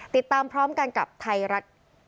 ติดตามพร้อมกันกับรายงานนะคะ